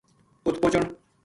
اُت پوہچن